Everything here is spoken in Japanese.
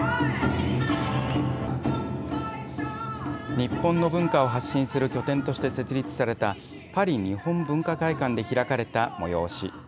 日本の文化を発信する拠点として設立されたパリ日本文化会館で開かれた催し。